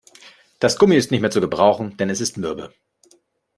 Das Gummi ist nicht mehr zu gebrauchen, denn es ist mürbe.